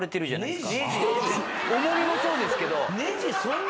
重みもそうですけど。